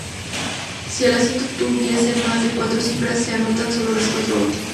Si el asiento tuviese más de cuatro cifras se anotan solo las cuatro últimas.